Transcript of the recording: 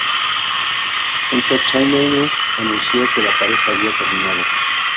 Entertainment anunció que la pareja había terminado.